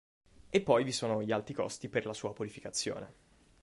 E poi vi sono gli alti costi per la sua purificazione.